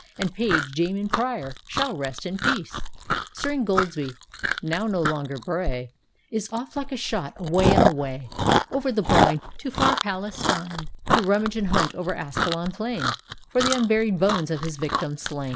And Page, Dame and Prior shall rest in peace 1 " Sir Ingoldsby (now no longer Bray) Is off like a shot away and away, Over the brine To far Palestine, To rummage and hunt over Ascalon plain For the unburied bones of bis victim slain.